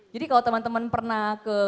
jadi kalau temen temen pernah ke